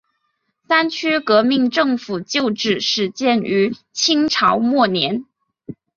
三区革命政府旧址始建于清朝末年。